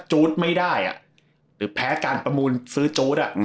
หรือแพ้การประมูลซื้อจู๊ด